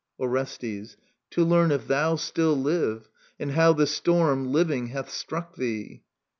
Orestes. To learn if thou still live, and how the storm. Living, hath struck thee.